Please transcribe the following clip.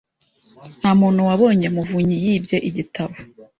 Ntamuntu wabonye Muvunyi yibye igitabo.